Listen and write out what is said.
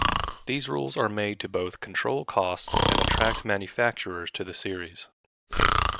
These rules are made to both control costs and attract manufacturers to the series.